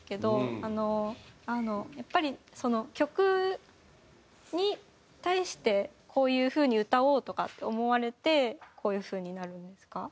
あのやっぱり曲に対してこういう風に歌おうとかって思われてこういう風になるんですか？